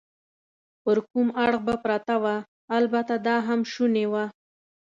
پر کوم اړخ به پرته وه؟ البته دا هم شونې وه.